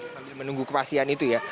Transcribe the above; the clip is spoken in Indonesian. sambil menunggu kepastian itu ya